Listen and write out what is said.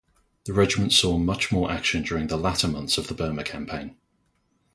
The regiment saw much more action during the latter months of the Burma campaign.